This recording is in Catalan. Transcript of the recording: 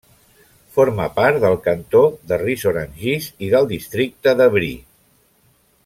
Forma part del cantó de Ris-Orangis i del districte d'Évry.